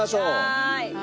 はい！